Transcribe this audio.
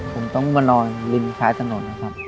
ผมต้องมานอนริมท้ายถนนนะครับ